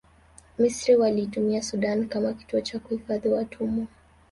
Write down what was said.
misri waliitumia sudan kama kituo cha kuhifadhi watumwa